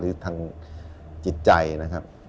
หรือถังจิตใจนะครับ